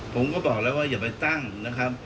ผมก็บอกแล้วว่าอย่าไปตั้งนะครับ